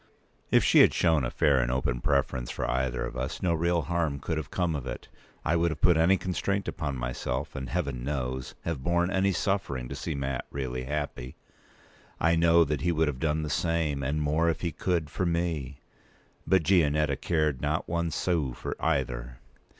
If she had shown a fair and open preference for either of us, no real harm could have come of it. I would have put any constraint upon myself, and, Heaven knows! have borne any suffering, to see Mat really happy. I know that he would have done the same, and more if he could, for me. But Gianetta cared not one sou for either.